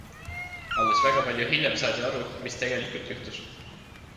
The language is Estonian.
Alles väga palju hiljem saadi aru, mis tegelikult juhtus.